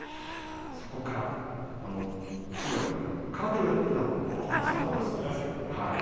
そこから中学までは空手をやっていたと聞いたことがあります。